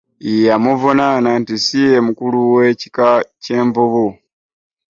Yamuvunaana nti si ye mukulu w'ekika ky'envubu